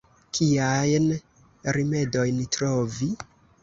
Kiajn rimedojn trovi?